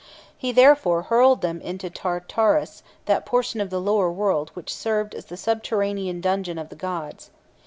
He therefore hurled them into Tartarus, that portion of the lower world which served as the subterranean dungeon of the gods.